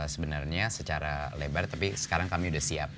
sebenarnya secara lebar tapi sekarang kami sudah siap